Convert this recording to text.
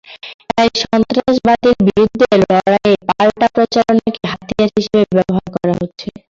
তাই সন্ত্রাসবাদের বিরুদ্ধে লড়াইয়ে পাল্টা প্রচারণাকে হাতিয়ার হিসেবে ব্যবহার করা হচ্ছে।